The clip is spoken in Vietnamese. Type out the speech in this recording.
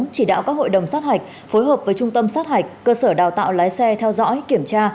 chỉ đạo các hội đồng sát hạch phối hợp với trung tâm sát hạch cơ sở đào tạo lái xe theo dõi kiểm tra